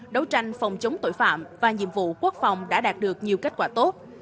đấu tranh phòng chống tội phạm và nhiệm vụ quốc phòng đã đạt được nhiều kết quả tốt